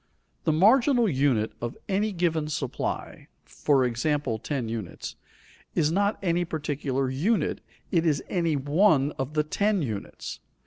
The marginal unit of any given supply for example, ten units is not any particular unit, it is any one of the ten units.